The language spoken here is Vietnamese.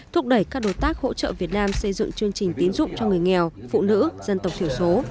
thúc đẩy các đối tác hỗ trợ việt nam xây dựng chương trình tín dụng cho người nghèo phụ nữ dân tộc thiểu số